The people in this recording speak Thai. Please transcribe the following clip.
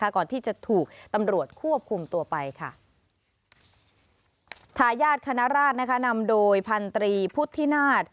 ก่อนที่จะถูกตำรวจควบคุมตัวไปค่ะทายาทคณราชนะคะนำโดยพันธรีพุทธินาศ